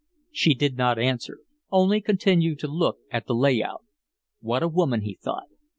She did not answer only continued to look at the "lay out." "What a woman!" he thought.